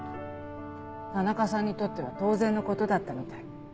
田中さんにとっては当然のことだったみたい。